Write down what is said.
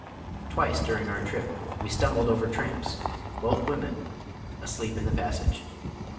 Twice during our trip we stumbled over tramps, both women, asleep in the passage.